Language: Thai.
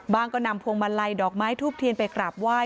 ก็นำพวงมาลัยดอกไม้ทูบเทียนไปกราบไหว้